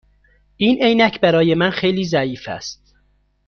این عینک برای من خیلی ضعیف است.